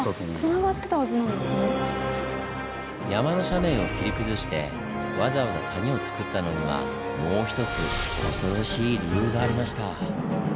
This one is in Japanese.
山の斜面を切り崩してわざわざ谷をつくったのにはもう一つ恐ろしい理由がありました。